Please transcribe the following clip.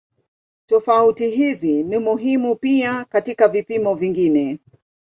Tofauti hizi ni muhimu pia katika vipimo vingine.